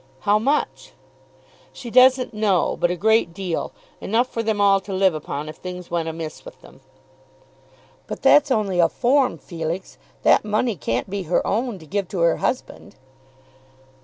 "How much?" "She doesn't know; but a great deal; enough for them all to live upon if things went amiss with them." "But that's only a form, Felix. That money can't be her own, to give to her husband."